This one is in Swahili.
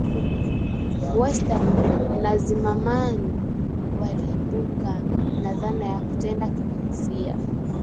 West na Zimmerman , waliibuka na dhana ya kutenda kijinsia